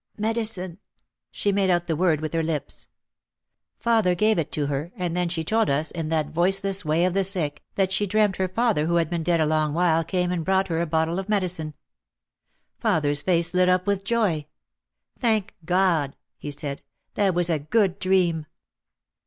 "Medicine !" She made out the word with her lips. Father gave it to her, and then she told us in that voice less way of the sick, that she dreamt her father who had been dead a long while came and brought her a bottle of medicine. Father's face lit up with joy. "Thank God !" he said, "that was a good dream."